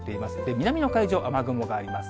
南の海上、雨雲があります。